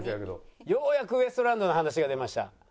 ようやくウエストランドの話が出ました。